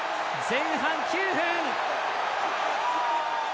前半９分。